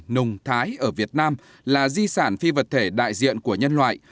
nùng thái ở việt nam là di sản phi vật thể đại diện của nhân loại